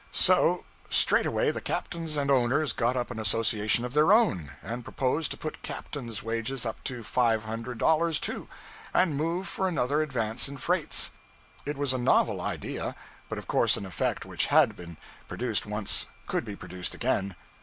So, straightway the captains and owners got up an association of their own, and proposed to put captains' wages up to five hundred dollars, too, and move for another advance in freights. It was a novel idea, but of course an effect which had been produced once could be produced again.